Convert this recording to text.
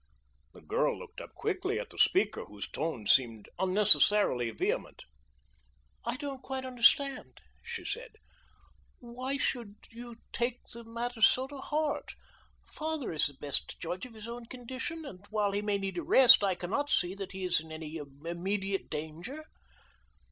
The girl looked up quickly at the speaker, whose tones seemed unnecessarily vehement. "I don't quite understand," she said, "why you should take the matter so to heart. Father is the best judge of his own condition, and, while he may need a rest, I cannot see that he is in any immediate danger."